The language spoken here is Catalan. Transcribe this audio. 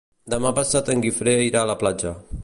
Demà passat en Guifré irà a la platja.